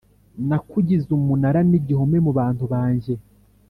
Nakugize umunara n igihome mu bantu banjye